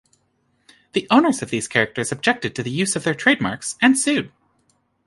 The owners of these characters objected to the use of their trademarks and sued.